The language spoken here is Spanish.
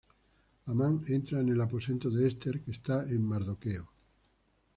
Amán entra en el aposento de Ester, que está con Mardoqueo.